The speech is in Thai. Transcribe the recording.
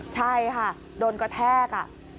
ใช่ค่ะโดนกระแทก